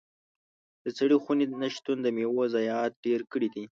د سړې خونې نه شتون د میوو ضايعات ډېر کړي دي.